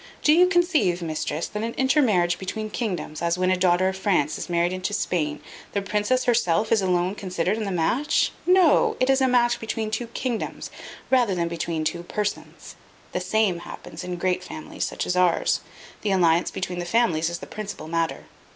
Do you conceive, mistress, that in an intermarriage between kingdoms, as when a daughter of France is married into Spain, the princess herself is alone considered in the match? No! it is a match between two kingdoms, rather than between two persons. The same happens in great families such as ours. The alliance between the families is the principal matter.